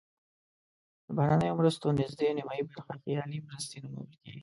د بهرنیو مرستو نزدې نیمایي برخه خیالي مرستې نومول کیږي.